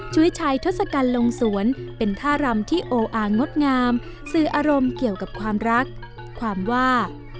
ช่วยใช้ทศกัณฐ์ลงสวนเป็นท่ารำที่โออางดงามสื่ออารมณ์เกี่ยวกับความรักความว่า